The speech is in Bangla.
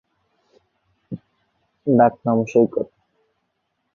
ডাক নাম ভীম।